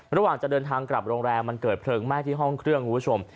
ระหว่างจะเดินทางกลับโรงแรมมันเกิดเพลิงไหม้ที่ห้องเครื่องคุณผู้ชม